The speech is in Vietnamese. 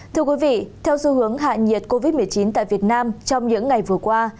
thưa quý vị theo xu hướng hạ nhiệt covid một mươi chín tại việt nam trong những ngày vừa qua